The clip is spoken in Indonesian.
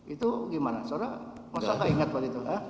itu gimana soalnya masa gak ingat waktu itu